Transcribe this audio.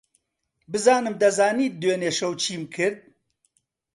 بزانم دەزانیت دوێنێ شەو چیم کرد.